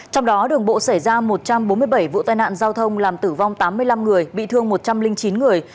trong đó đường bộ xảy ra một trăm bốn mươi bảy vụ tai nạn giao thông làm tử vong tám mươi năm người bị thương một trăm linh chín người